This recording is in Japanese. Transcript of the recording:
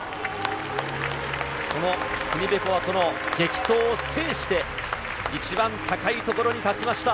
そのティニベコワとの激闘を制して、一番高いところに立ちました。